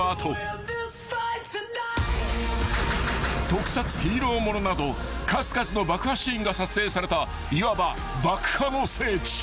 ［特撮ヒーロー物など数々の爆破シーンが撮影されたいわば］